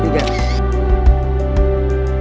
satu dua tiga